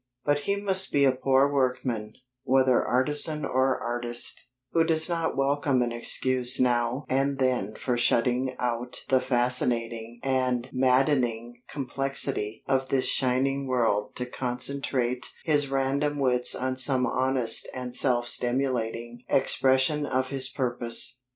But he must be a poor workman, whether artisan or artist, who does not welcome an excuse now and then for shutting out the fascinating and maddening complexity of this shining world to concentrate his random wits on some honest and self stimulating expression of his purpose.